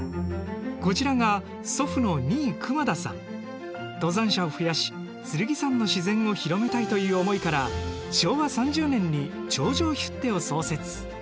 こちらが祖父の登山者を増やし剣山の自然を広めたいという思いから昭和３０年に頂上ヒュッテを創設。